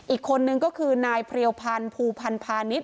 อีกคนนึงก็คือนายเพรียวพันธ์ภูพันธ์พาณิชย